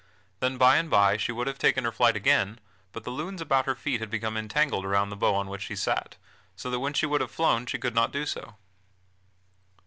Then by and by she would have taken her flight again, but the lunes about her feet had become entangled around the bough on which she sat, so that when she would have flown she could not do so.